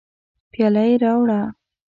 پیاله یې راوړه.